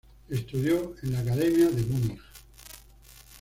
Estudió en la Academia de Múnich.